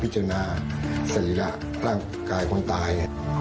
จึงน่าเสร็จแล้วร่างกายคนตาย